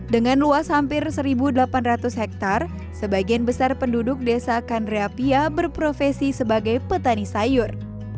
dengan luas hampir satu delapan ratus hektare sebagian besar penduduk desa kandreapia berprofesi sebagai petani sayur